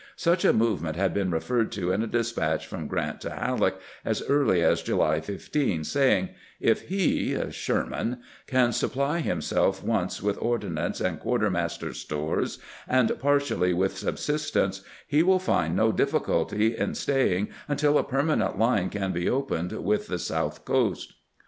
Such a movement had been referred to in a despatch from Grant to Halleek as early as July 15, saying :" If he [Sherman] can supply himself once with ordnance and quarter master's stores, and partially with subsistence, he will find no difficulty in staying until a permanent line can be opened with the south coast."